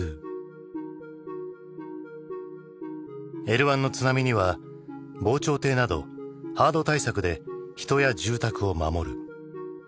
Ｌ１の津波には防潮堤などハード対策で人や住宅を守る。